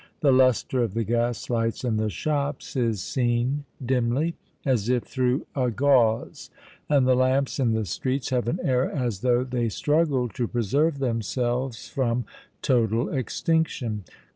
The lustre of the gaslights in the shops is seen dimly, as if through a gauze; and the lamps in the streets have an air as though they struggled to preserve themselves from total extinction.